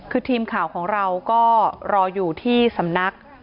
คือทีมข่าวของเราก็รออยู่ที่สำนัก